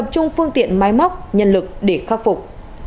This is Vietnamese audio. bái móc nhân lực để khắc phục